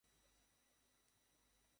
তোমরা কিস করেছো বললে?